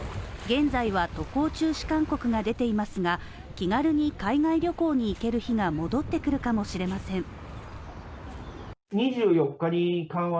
現在は、渡航中止勧告が出ていますが気軽に海外旅行に行ける日が戻ってくるかもしれません。